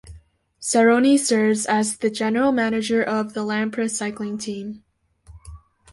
Saronni serves as the general manager of the Lampre cycling team.